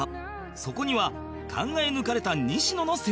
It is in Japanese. そこには考え抜かれた西野の戦略が